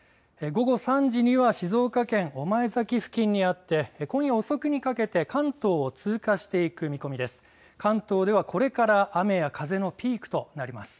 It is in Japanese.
午後３時には静岡県御前崎付近にあって今夜遅くにかけて関東を通過していく見込みです。